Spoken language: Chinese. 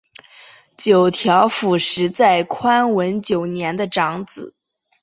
九条辅实在宽文九年的长子。